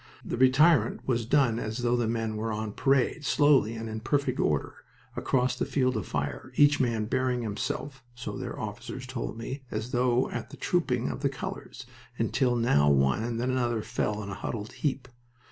The retirement was done as though the men were on parade, slowly, and in perfect order, across the field of fire, each man bearing himself, so their officers told me, as though at the Trooping of the Colors, until now one and then another fell in a huddled heap.